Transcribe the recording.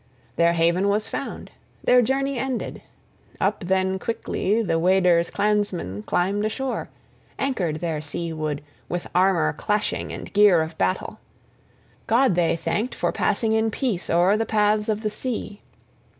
Their haven was found, their journey ended. Up then quickly the Weders' {3c} clansmen climbed ashore, anchored their sea wood, with armor clashing and gear of battle: God they thanked or passing in peace o'er the paths of the sea.